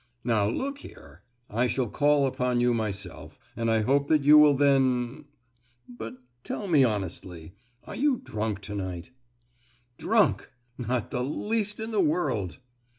"Now, look here; I shall call upon you myself, and I hope that you will then——but, tell me honestly, are you drunk to night?" "Drunk! not the least in the world!"